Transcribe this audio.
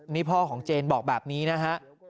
นี่พ่อของเจนบอกแบบนี้นะฮะ